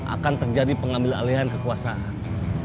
akan terjadi pengambil alihan kekuasaan